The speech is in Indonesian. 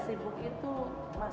jadi pak anas ternyata penyayang